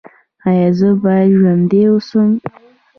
ایا زه باید ژوندی اوسم؟